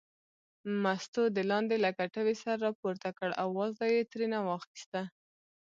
مستو د لاندې له کټوې سر راپورته کړ او وازده یې ترېنه واخیسته.